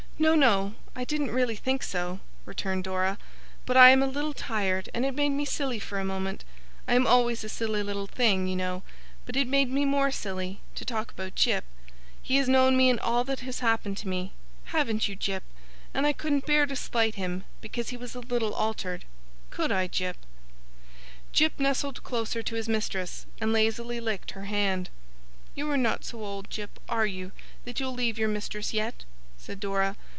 'No, no, I didn't really think so,' returned Dora; 'but I am a little tired, and it made me silly for a moment I am always a silly little thing, you know, but it made me more silly to talk about Jip. He has known me in all that has happened to me, haven't you, Jip? And I couldn't bear to slight him, because he was a little altered could I, Jip?' Jip nestled closer to his mistress, and lazily licked her hand. 'You are not so old, Jip, are you, that you'll leave your mistress yet?' said Dora.